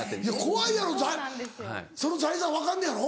怖いやろその財産分かんのやろ。